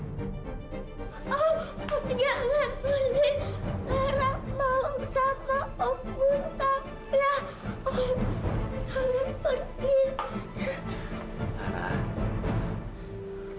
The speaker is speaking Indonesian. oh jangan bu li lara mau sama om gustaf ya jangan pergi